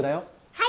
はい！